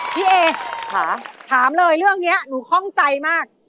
พี่เอค่ะถามเลยเรื่องนี้หนูคล่องใจมาก